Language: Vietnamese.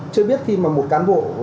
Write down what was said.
chưa biết khi mà một cán bộ